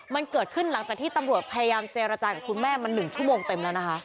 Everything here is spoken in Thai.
มันเกิดขึ้นหลังจากที่ตำรวจพยายามเจรจากับคุณแม่มา๑ชั่วโมงเต็มแล้วนะคะ